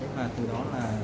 và từ đó là